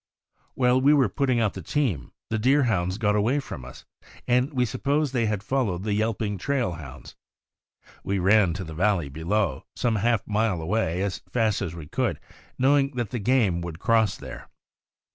While we were putting out the team, the Deerhounds got away from us, and we supposed they had followed the yelping trail hounds. We ran to the valley below, some half mile away, as fast as we could, knowing that the game would cross there.